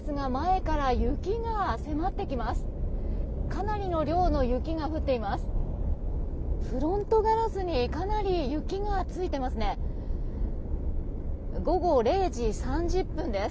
かなりの量の雪が降っています。